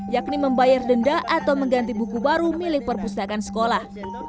yakni membayar denda atau mengganti buku baru milik perpustakaan sekolah